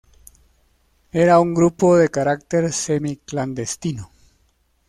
Era un grupo de carácter semi-clandestino.